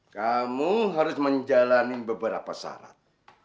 kamu harus menjalani beberapa syarat